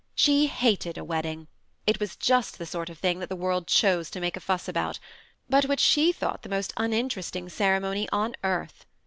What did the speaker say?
She hated a wedding : it was just the sort of thing that the world chose to make a fuss about, but which she thought the most uninteresting ceremony on earth.